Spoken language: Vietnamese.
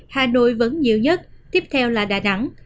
hà nội vẫn nhiều nhất tiếp theo là đà nẵng